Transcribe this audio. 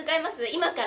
今から。